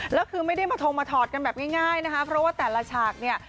แล้วคือไม่ได้มาทงมาถอดกันแบบง่ายนะคะเพราะว่าแต่ละฉากเนี่ย